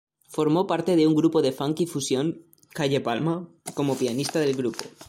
Formó parte de un grupo de funky-fussion, Calle Palma, como pianista del grupo.